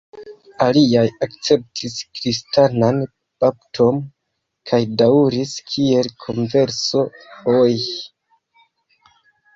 Aliaj akceptis kristanan bapton kaj daŭris kiel "converso"-oj.